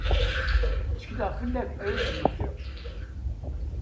Ttekleɣ fell-ak ad iyi-d-temmektiḍ.